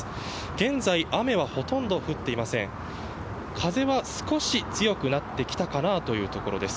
現在、雨はほとんど降っていません風は少し強くなってきたかなというところです。